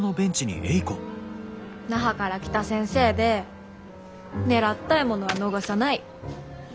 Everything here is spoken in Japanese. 那覇から来た先生で狙った獲物は逃さない。